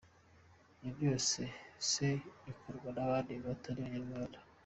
Ibi byose se bikorwa n'abandi batari abanyarwanda.